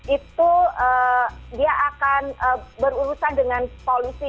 itu dia akan berurusan dengan polisi